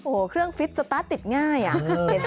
โอ้โหเครื่องฟิตสตาร์ทติดง่ายอ่ะ